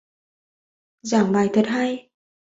Giảng bài thật hay